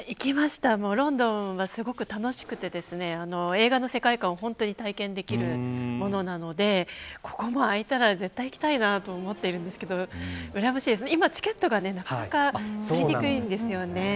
ロンドンはすごく楽しくて映画の世界観を本当に体験できるものなのでここも開いたら絶対行きたいなと思いますが今、チケットがなかなか取りにくいんですよね。